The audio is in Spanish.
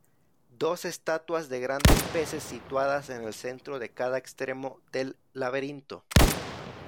Dos estatuas de grandes peces situadas en el centro de cada extremo del laberinto.